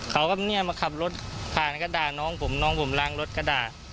เขาก็เนี่ยมาขับรถผ่านก็ด่าน้องผมน้องผมล้างรถก็ด่า